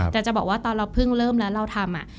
แต่จะบอกว่าตอนเราเพิ่งเริ่มแล้วเราทำ